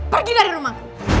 pergi dari rumah